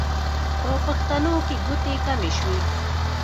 په پښتنو کې ګوتې کمې شوې.